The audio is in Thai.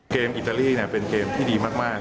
อิตาลีเป็นเกมที่ดีมาก